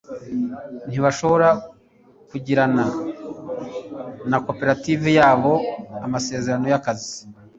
ntibashobora kugirana na koperative yabo amasezerano y'akazi